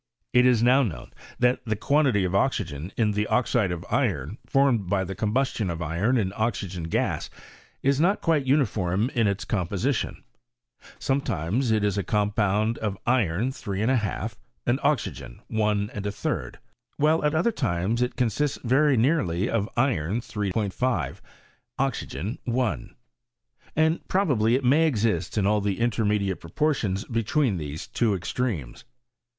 It is now known, that the quantity of oxygen in the oxide of iron formed hy the combustion of iron in oxygen gas is not quite uniform in its composition ; ^metimes it is a compound of Iron 3^ Oxygen IJ While at other times it consists very nearly of Iron 3 5 Oxygen 1 and probably it may exist in all the intermediate I BUTORT OF CBEMISTET. proportions between these two extremes.